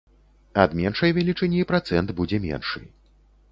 Ад меншай велічыні працэнт будзе меншы.